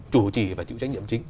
chủ trì và chịu trách nhiệm chính